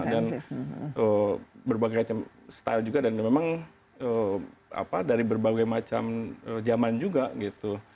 dan berbagai macam style juga dan memang dari berbagai macam zaman juga gitu